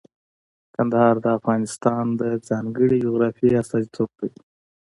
کندهار د افغانستان د ځانګړي جغرافیه استازیتوب کوي.